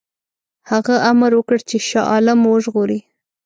هغه امر وکړ چې شاه عالم وژغوري.